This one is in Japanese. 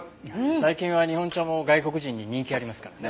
最近は日本茶も外国人に人気ありますからね。